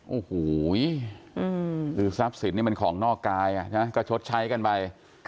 โอ้โหคือทรัพย์สินนี่มันของนอกกายก็ชดใช้กันไป